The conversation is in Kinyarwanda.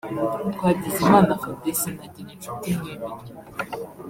Twagizimana Fabrice na Ngirinshuti Mwemere